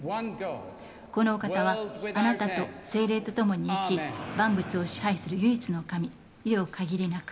このお方はあなたと精霊と共に生き万物を支配する唯一の神、限りなく。